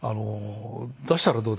「出したらどうだ？」。